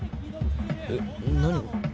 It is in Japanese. えっ、何が？